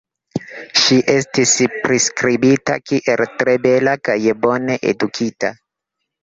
Ŝi estis priskribita kiel tre bela kaj bone edukita.